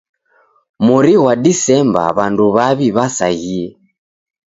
Mori ghwa Disemba, w'andu w'aw'i w'asaghie.